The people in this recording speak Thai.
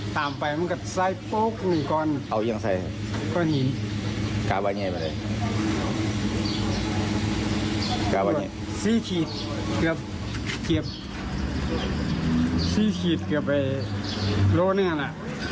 ที่ถีดกับรถนั่นอ่ะ